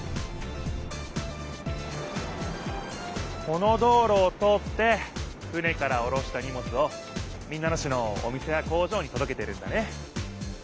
この道ろを通って船からおろしたにもつを民奈野市のお店や工場にとどけてるんだね。